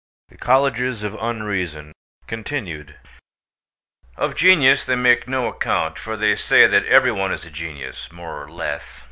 THE COLLEGES OF UNREASON—Continued Of genius they make no account, for they say that every one is a genius, more or less.